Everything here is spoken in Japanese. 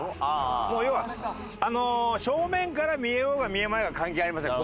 もう要はあの正面から見えようが見えまいが関係ありません。